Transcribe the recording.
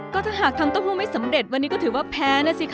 ก็ถ้าหากทำเต้าหู้ไม่สำเร็จวันนี้ก็ถือว่าแพ้นะสิคะ